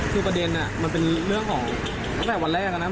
คือประเด็นมันเป็นเรื่องของตั้งแต่วันแรกแล้วนะ